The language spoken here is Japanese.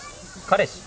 彼氏！？